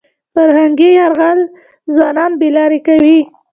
فرهنګي یرغل ځوانان بې لارې کوي.